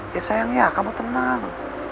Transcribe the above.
dia sayang ya kamu tenang